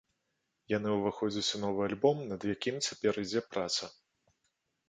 Яны ўваходзяць у новы альбом, над якім цяпер ідзе праца.